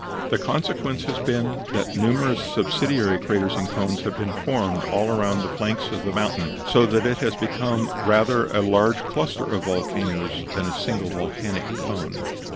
The consequence has been, that numerous subsidiary craters and cones have been formed all around the flanks of the mountain, so that it has become rather a cluster of volcanoes than a single volcanic cone.